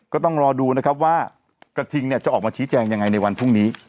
ก็ต้องรอดูนะครับว่ากระทิงจะออกมาชี้แจงยังไงในวันพรุ่งนี้